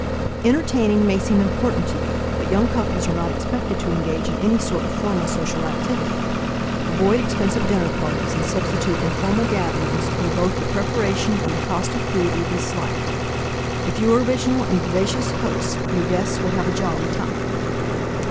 Entertaining may seem important to you, but young couples are not expected to engage in any sort of formal social activity. Avoid expensive dinner parties and substitute informal gatherings where both the preparation and the cost of food will be slight. If you are original and vivacious hosts, your guests will have a jolly time.